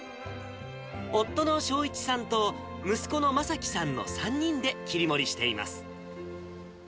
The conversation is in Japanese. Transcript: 夫の正一さんと、息子のまさきさんの３人で切り盛りしています。